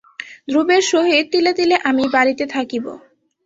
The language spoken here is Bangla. ধ্রুবের সহিত তিলে তিলে আমিই বাড়িতে থাকিব।